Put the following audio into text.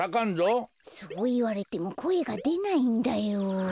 こころのこえそういわれてもこえがでないんだよ。